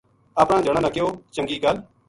اپنا جنا نا کہیو ” چنگی گل